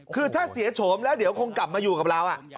คือถ้าเสียโฉมแล้วเดี๋ยวคงกลับมาอยู่กับเรา